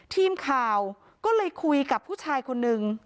ทีมข่าวก็เลยคุยกับผู้ชายคนนึง